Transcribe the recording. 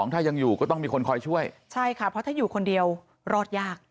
ถ้ายังอยู่ก็ต้องมีคนคอยช่วยใช่ค่ะเพราะถ้าอยู่คนเดียวรอดยาก